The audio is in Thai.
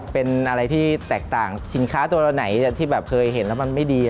เป็นอะไรที่แตกต่างสินค้าตัวไหนที่แบบเคยเห็นแล้วมันไม่ดี